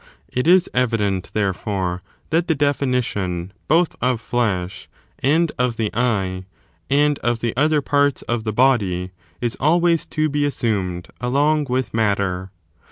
It is evident, tiiierefore, that the definition both of flesh, and of the eye, and of the other parts of the body, is always to be assumed along with matter.